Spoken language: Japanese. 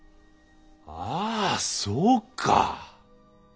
ああそうか。